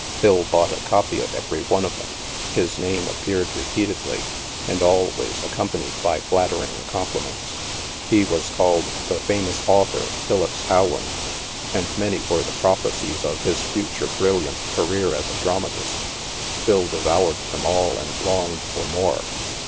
Phil bought a copy of every one of them. His name appeared repeatedly, and always accompanied by flattering compliments. He was called " the famous author, 256 THE MASK Philippse Howland," and many were the prophesies of his future brilliant career as a dramatist. Phil devoured them all and longed for more.